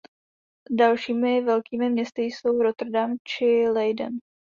Dalšími velkými městy jsou Rotterdam či Leiden.